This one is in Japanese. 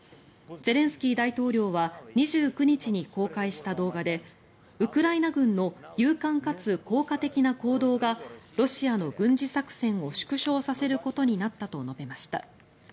ゼレンスキー大統領は２９日に公開した動画でウクライナ軍の勇敢かつ効果的な行動がロシアの軍事作戦を縮小させることになったと述べました。